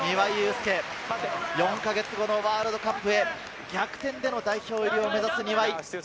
４か月後のワールドカップへ、逆転での代表入りを目指す庭井。